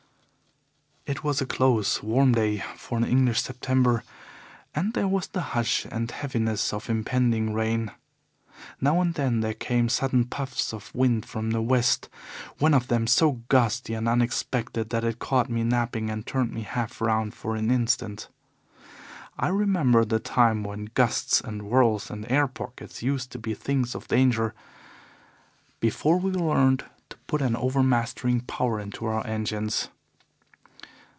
"It was a close, warm day for an English September, and there was the hush and heaviness of impending rain. Now and then there came sudden puffs of wind from the south west one of them so gusty and unexpected that it caught me napping and turned me half round for an instant. I remember the time when gusts and whirls and air pockets used to be things of danger before we learned to put an overmastering power into our engines.